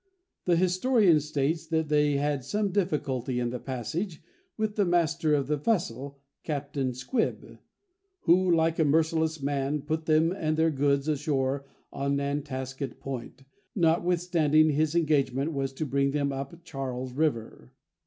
The historian states that they had some difficulty in the passage with the master of the vessel, Captain Squibb, "who, like a merciless man, put them and their goods ashore on Nantasket Point, notwithstanding his engagement was to bring them up Charles river."